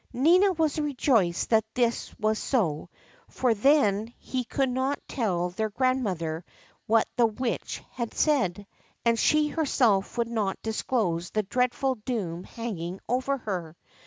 Nina was rejoiced that this was so ; for then he could not tell their grandmother what the Witch had said, and she herself would not disclose the dreadful doom hanging over her.